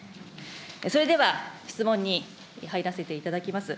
それでは質問に入らせていただきます。